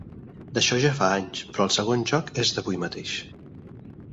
D'això ja fa anys, però el segon joc és d'avui mateix.